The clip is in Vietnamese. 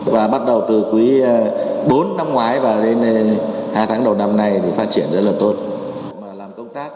và bắt đầu từ quý bốn năm ngoái và đến hai tháng đầu năm nay thì phát triển rất là tốt